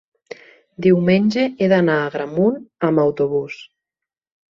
diumenge he d'anar a Agramunt amb autobús.